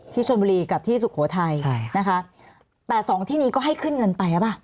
ชนบุรีกับที่สุโขทัยใช่นะคะแต่สองที่นี้ก็ให้ขึ้นเงินไปหรือเปล่า